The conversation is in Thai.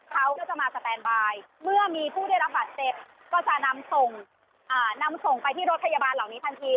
เขาก็จะมาสแตนบายเมื่อมีผู้ได้รับบาดเจ็บก็จะนำส่งนำส่งไปที่รถพยาบาลเหล่านี้ทันที